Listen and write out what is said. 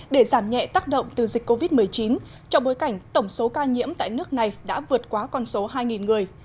để giảm nhẹ tác động từ dịch covid một mươi chín trong bối cảnh tổng số ca nhiễm tại nước này đã vượt qua con số hai người